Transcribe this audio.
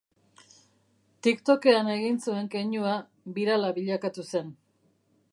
Tiktokean egin zuen keinua birala bilakatu zen.